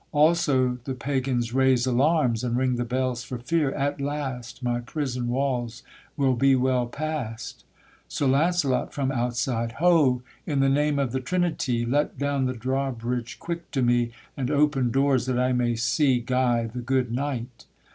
Also the Pagans raise alarms, And ring the bells for fear; at last My prison walls will be well past. SIR LAUNCELOT, from outside. Ho! in the name of the Trinity, Let down the drawbridge quick to me, And open doors, that I may see Guy the good knight!